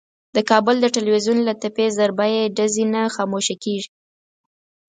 د کابل د ټلوېزیون له تپې ضربهیي ډزې نه خاموشه کېږي.